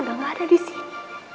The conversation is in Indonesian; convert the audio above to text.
udah gak ada disini